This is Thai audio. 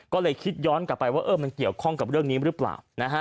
ก็เลยคิดย้อนกลับไปว่ามันเกี่ยวข้องกับเรื่องนี้หรือเปล่า